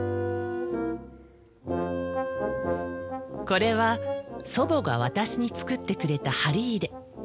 これは祖母が私に作ってくれた針入れ。